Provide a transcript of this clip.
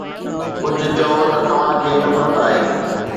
ڪجهه چئو ته توهان کي نفرت آهي